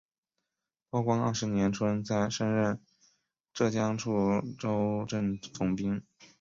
道光二十年春升任浙江处州镇总兵。